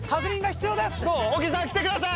小木さん来てください！